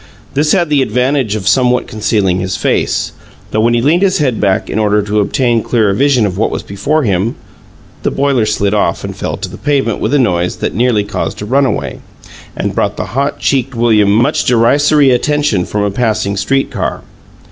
This had the advantage of somewhat concealing his face, though when he leaned his head back, in order to obtain clearer vision of what was before him, the boiler slid off and fell to the pavement with a noise that nearly caused a runaway, and brought the hot cheeked William much derisory attention from a passing street car.